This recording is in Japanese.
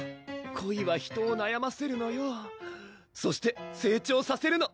恋は人をなやませるのよそして成長させるの！